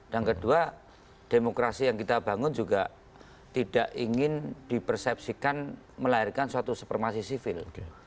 dan kedua demokrasi yang kita bangun juga tidak ingin dipersepsikan melahirkan suatu supermasi sivil